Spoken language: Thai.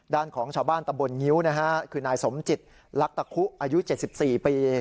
ของชาวบ้านตำบลงิ้วนะฮะคือนายสมจิตลักตะคุอายุ๗๔ปี